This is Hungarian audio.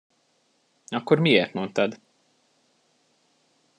Akkor miért mondtad?